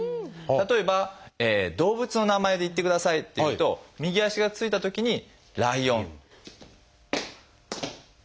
例えば動物の名前で言ってくださいっていうと右足がついたときに「ライオン」。